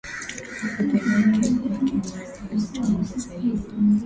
Nipeleke kwake mariah ili tuongee zaidi